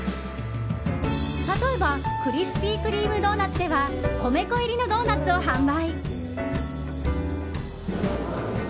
例えば、クリスピー・クリーム・ドーナツでは米粉入りのドーナツを販売。